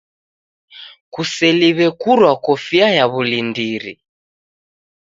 Kuseliwe kurwa kofia ya wulindiri.